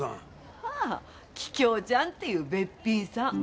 ああ桔梗ちゃんっていうべっぴんさん。